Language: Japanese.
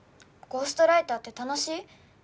ゴーストライターって楽しい？